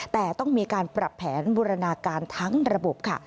แต่ต้องมีการปรับแผนบูรณาการทั้งระบบค่ะ